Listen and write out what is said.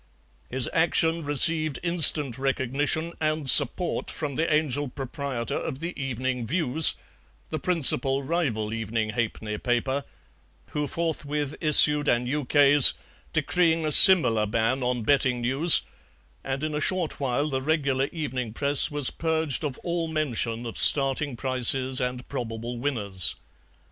His action received instant recognition and support from the Angel proprietor of the EVENING VIEWS, the principal rival evening halfpenny paper, who forthwith issued an ukase decreeing a similar ban on betting news, and in a short while the regular evening Press was purged of all mention of starting prices and probable winners.